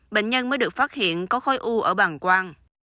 bệnh nhân mới được phát hiện có khói u ở bàn quang